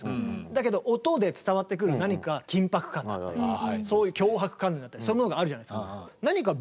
だけど音で伝わってくる何か緊迫感だったりそういう強迫観念だったりそういうものがあるじゃないですか。